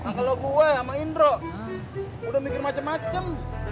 nah kalo gue sama indro udah mikir macem macem